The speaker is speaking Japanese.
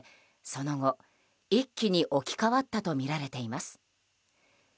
その後、一気に置き換わったとみられています。